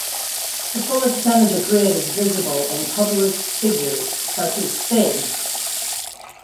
The full extent of the grid is visible in published figures such as Figs.